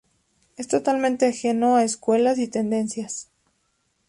Es totalmente ajeno a escuelas y tendencias.